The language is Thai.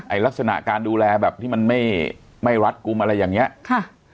ลักษณะการดูแลแบบที่มันไม่ไม่รัดกลุ่มอะไรอย่างเงี้ยค่ะ